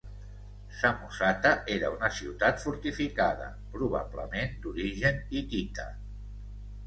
Samòsata era una ciutat fortificada, probablement d'origen hitita.